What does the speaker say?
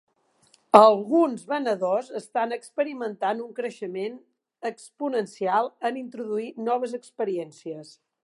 Alguns venedors estan experimentant un creixement exponencial en introduir noves experiències.